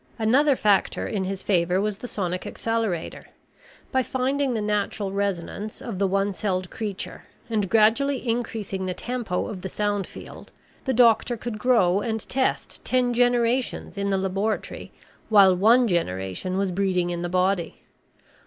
Another factor in his favor was the sonic accelerator. By finding the natural resonance of the one celled creature and gradually increasing the tempo of the sound field, the doctor could grow and test ten generations in the laboratory while one generation was breeding in the body.